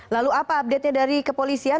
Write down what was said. lalu apa update nya dari kepolisian